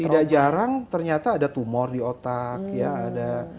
tidak jarang ternyata ada tumor di otak ya ada